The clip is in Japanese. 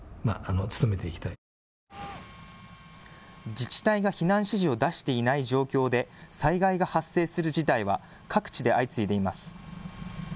自治体が避難指示を出していない状況で災害が発生する事態は各地で相次いでいます。